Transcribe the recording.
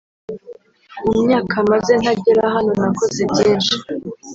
mu myaka maze ntagera hano nakoze byinshi